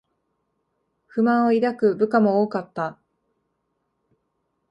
不満を抱く部下も多かった